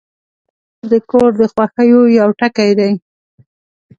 تنور د کور د خوښیو یو ټکی دی